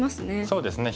そうですね。